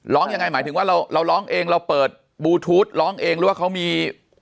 ร้องยังไงหมายถึงว่าเราร้องเองเราเปิดบลูทูธร้องเองหรือว่าเขามี